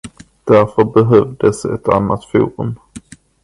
Därför behövdes ett annat forum.